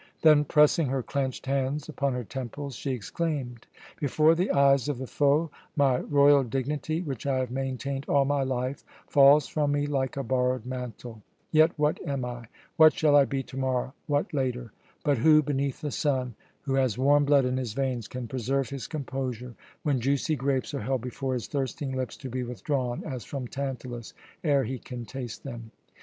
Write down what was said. Then pressing her clenched hands upon her temples, she exclaimed: "Before the eyes of the foe my royal dignity, which I have maintained all my life, falls from me like a borrowed mantle. Yet what am I? What shall I be to morrow, what later? But who beneath the sun who has warm blood in his veins can preserve his composure when juicy grapes are held before his thirsting lips to be withdrawn, as from Tantalus, ere he can taste them?